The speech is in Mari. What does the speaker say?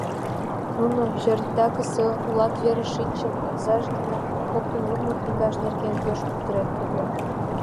Нуно, чердакысе улак вереш шинчын, изаж дене коктын лудмо книгашт нерген пеш кутырат ыле.